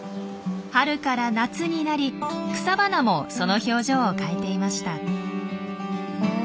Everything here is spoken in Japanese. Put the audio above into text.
春から夏になり草花もその表情を変えていました。